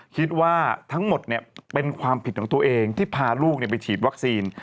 คิดว่าทั้งหมดเป็นความผิดของตัวเองที่พาลูกไปฉีดวัคซีน